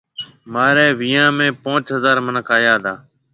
مهاريَ ويهان ۾ پونچ هزار مِنک آيا تا۔